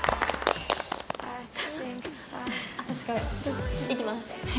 私からいきます。